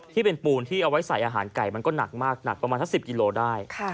ที่เป็นปูนที่เอาไว้ใส่อาหารไก่มันก็หนักมากหนักประมาณสัก๑๐กิโลได้